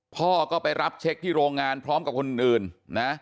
พ่อก็ไปรับเช็คที่โรงงานพร้อมกับคนอื่นนะ